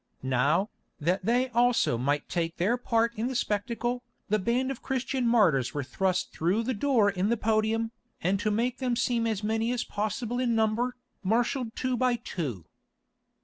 Now, that they also might take their part in the spectacle, the band of Christian martyrs were thrust through the door in the podium, and to make them seem as many as possible in number, marshalled two by two.